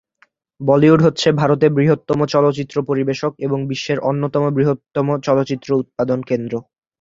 বলিউড হচ্ছে ভারতে বৃহত্তম চলচ্চিত্র পরিবেশক এবং বিশ্বের অন্যতম বৃহত্তম চলচ্চিত্র উৎপাদন কেন্দ্র।